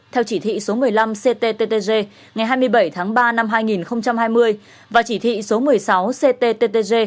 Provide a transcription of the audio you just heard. theo chỉ thị số một mươi năm cttg ngày hai mươi bảy tháng ba năm hai nghìn hai mươi và chỉ thị số một mươi sáu cttg